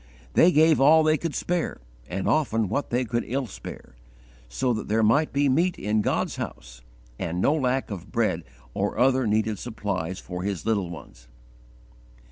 They gave all they could spare and often what they could ill spare, so that there might be meat in God's house and no lack of bread or other needed supplies for His little ones.